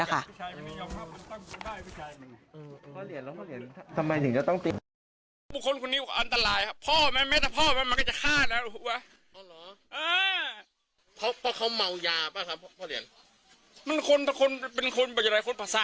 นี่เป็นคนคุมเมืองเลยด้วยนะ